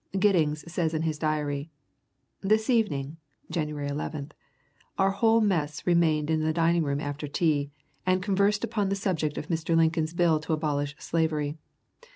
Giddings says in his diary: "This evening (January 11), our whole mess remained in the dining room after tea, and conversed upon the subject of Mr. Lincoln's bill to abolish slavery.